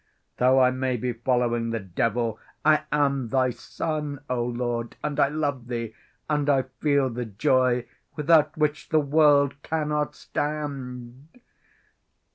Though I may be following the devil, I am Thy son, O Lord, and I love Thee, and I feel the joy without which the world cannot stand.